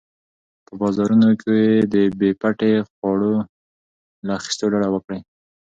په بازارونو کې د بې پټي خواړو له اخیستلو ډډه وکړئ.